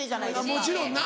もちろんな。